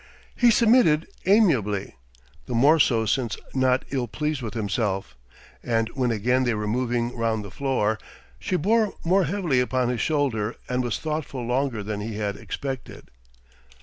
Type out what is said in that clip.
He submitted amiably, the more so since not ill pleased with himself. And when again they were moving round the floor, she bore more heavily upon his shoulder and was thoughtful longer than he had expected.